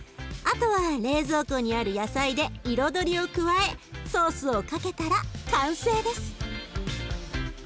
あとは冷蔵庫にある野菜で彩りを加えソースをかけたら完成です。